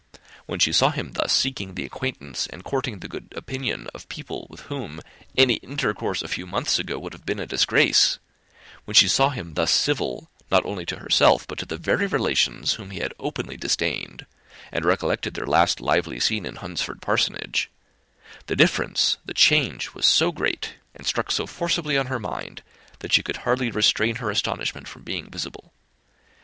When she saw him thus seeking the acquaintance, and courting the good opinion of people with whom any intercourse a few months ago would have been a disgrace; when she saw him thus civil, not only to herself, but to the very relations whom he had openly disdained, and recollected their last lively scene in Hunsford Parsonage, the difference, the change was so great, and struck so forcibly on her mind, that she could hardly restrain her astonishment from being visible.